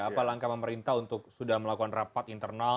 apa langkah pemerintah untuk sudah melakukan rapat internal